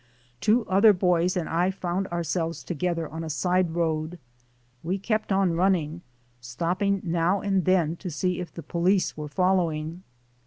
Two other boys and I found ourselves together on a side road. We kept on run ning, stopping now and then to see if the police were following.